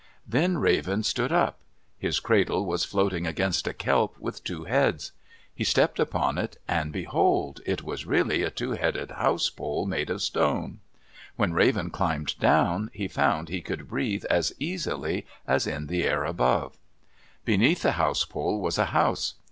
Then Raven stood up. His cradle was floating against a kelp with two heads. He stepped upon it, and behold! it was really a two headed house pole made of stone. When Raven climbed down, he found he could breathe as easily as in the air above. Beneath the house pole was a house.